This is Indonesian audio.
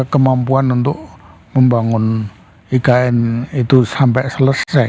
kemampuan untuk membangun ikn itu sampai selesai